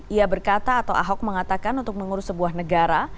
ia berkata atau ahok mengatakan untuk mengurus sebuah negara